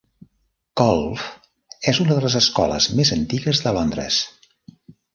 Colfe és una de les escoles més antigues de Londres.